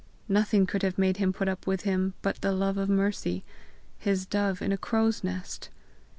Nothing could have made him put up with him but the love of Mercy, his dove in a crow's nest!